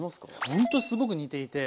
ほんとすごく似ていて。